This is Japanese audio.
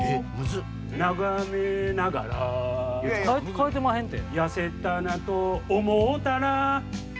変えてまへんて。